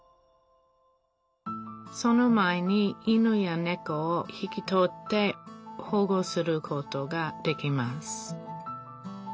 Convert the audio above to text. その前に犬やねこを引き取って保護することができます